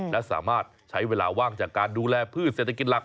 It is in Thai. และสามารถใช้เวลาว่างจากการดูแลพืชเศรษฐกิจหลัก